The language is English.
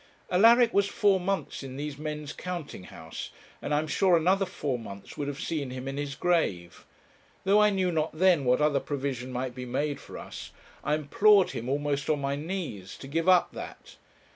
Alaric was four months in these men's counting house, and I am sure another four months would have seen him in his grave. Though I knew not then what other provision might be made for us, I implored him, almost on my knees, to give up that.